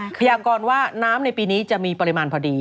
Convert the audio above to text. พยากรว่าน้ำในปีนี้จะมีปริมาณพอดี